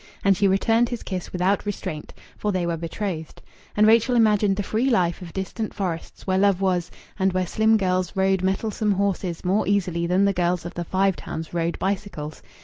And she returned his kiss without restraint. For they were betrothed. And Rachel imagined the free life of distant forests, where love was, and where slim girls rode mettlesome horses more easily than the girls of the Five Towns rode bicycles.